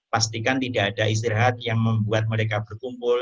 pastikan tidak ada istirahat yang membuat mereka berkumpul